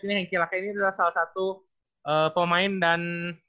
ini hanki laka ini adalah salah satu pemain dan